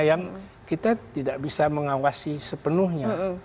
yang kita tidak bisa mengawasi sepenuhnya